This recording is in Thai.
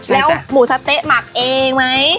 แล้วหมูสะเต๊ะหมักเองไหม